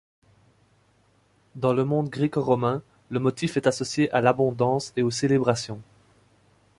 Dans le monde gréco-romain, le motif est associé à l'abondance et aux célébrations.